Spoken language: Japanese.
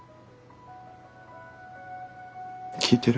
聞いてる？